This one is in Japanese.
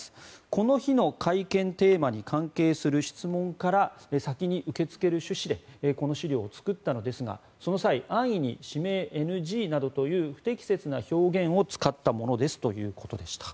この日の会見テーマに関係する質問から先に受け付ける趣旨でこの資料を作ったのですがその際、安易に指名ＮＧなどという不適切な表現を使ったものですということでした。